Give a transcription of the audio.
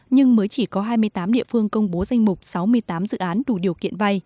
nhưng mới chỉ có hai mươi tám địa phương công bố danh mục sáu mươi tám dự án đủ điều kiện vay